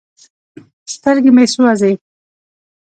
سترګې مې سوزي ـ